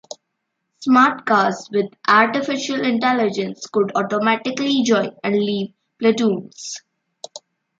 Smart cars with artificial intelligence could automatically join and leave platoons.